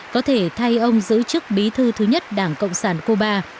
có thể thay ông giữ chức bí thư thứ nhất đảng cộng sản cuba